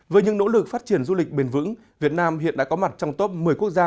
với những nỗ lực phát triển du lịch bền vững việt nam hiện đã có mặt trong top một mươi quốc gia